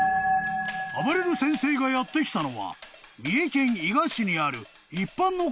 ［あばれる先生がやって来たのは三重県伊賀市にある一般の方のお宅］